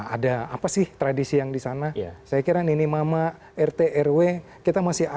ada apa sih tradisi yang di sana saya kira nini mama rt rw kita masih ada